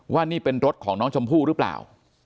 ว่านี่เป็นรถของน้องชมพู่หรือเปล่า